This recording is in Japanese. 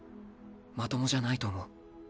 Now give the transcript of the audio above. まともじゃないと思う。